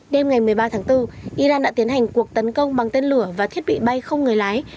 đêm ngày một mươi ba tháng bốn iran đã tiến hành cuộc tấn công bằng tên lửa và thiết bị bay không người lái